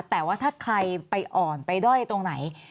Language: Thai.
แต่ว่าถ้าใครไปอ่อนไปด้อยตรงไหน